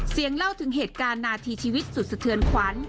เสียงเล่าถึงเหตุการณาธิชีวิตสุดสะเทือนขวัญ